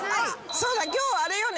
そうだ今日あれよね？